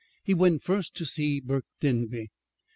He went first to see Burke Denby.